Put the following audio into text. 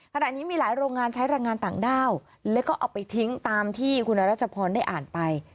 ขณะนี้มีหลายโรงงานใช้แรงงานต่างด้าวแล้วก็เอาไปทิ้งตามที่คุณรัชพรได้อ่านไป